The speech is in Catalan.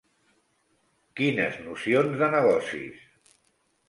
Quines nocions de negocis!